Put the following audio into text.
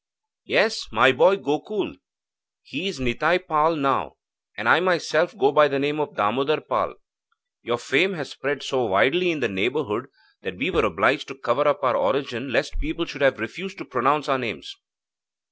'Yes, my boy Gokul. He is Nitai Pal now, and I myself go by the name of Damodar Pal. Your fame has spread so widely in the neighbourhood, that we were obliged to cover up our origin, lest people should have refused to pronounce our names.'